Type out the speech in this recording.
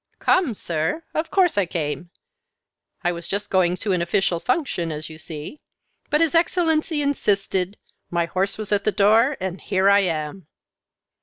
"Come, sir! Of course I came. I was just going to an official function, as you see, but his Excellency insisted, my horse was at the door, and here I am."